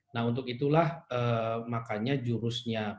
nah untuk itulah makanya jurusnya